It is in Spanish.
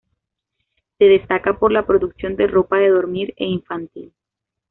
Se destaca por la producción de ropa de dormir e infantil.